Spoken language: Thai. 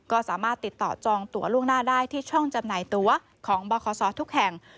ก็สามารถติดต่อจองตัวล่วงหน้าได้ที่ช่องจำหน่ายตัวของบคศทุกแห่ง